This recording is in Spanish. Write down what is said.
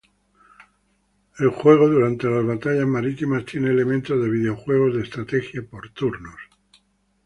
El juego durante las batallas marítimas tiene elementos de videojuegos de estrategia por turnos.